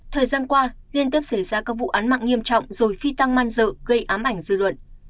thời gian qua liên tiếp xảy ra các vụ án mạng nghiêm trọng rồi phi tăng man dự gây ám ảnh dư luận